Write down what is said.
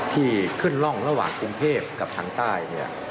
ที่ขึ้นร่องระหว่างกรุงเทพกับทางใต้